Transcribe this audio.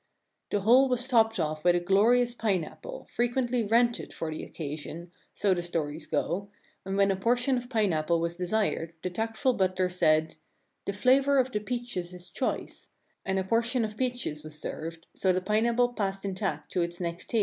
The whole was topped off with a glorious pine apple, frequently rented for the occasion, so the stories go, and when a portion of pineapple was de sired the tactful butler said, "The flavor of the peaches is choice," and a portion of peaches was served, so the pineapple passed intact to its next table.